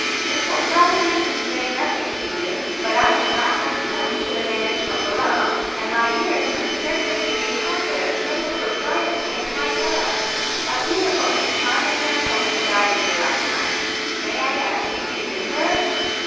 This will probably convey nothing to you, but I am not unknown to the management below, and my years must certainly give you confidence in the propriety of my errand. A beautiful and charming young woman died here last night. May I ask if you knew her?"